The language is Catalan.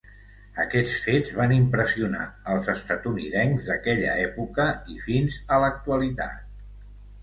Aquests fets van impressionar als estatunidencs d'aquella època i fins a l'actualitat.